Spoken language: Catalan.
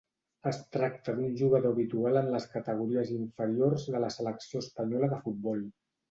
Es tracta d'un jugador habitual en les categories inferiors de la selecció espanyola de futbol.